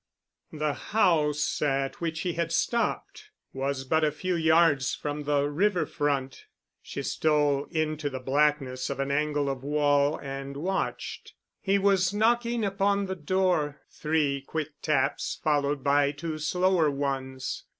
The house at which he had stopped was but a few yards from the river front. She stole into the blackness of an angle of wall and watched. He was knocking upon the door—three quick taps followed by two slower ones.